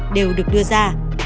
đều được đưa ra